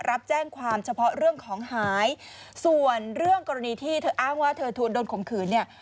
รับแจ้งความเฉพาะเรื่องของหายส่วนเรื่องกรณีที่เธออ้างว่าเธอถูกโดนข่มขืนเนี่ย